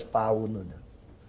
empat belas tahun udah